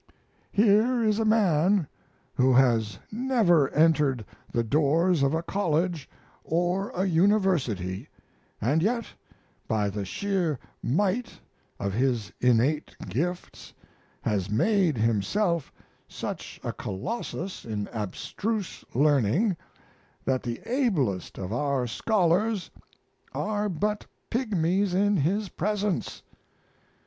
Here is a man who has never entered the doors of a college or a university, and yet by the sheer might of his innate gifts has made himself such a colossus in abstruse learning that the ablest of our scholars are but pigmies in his presence.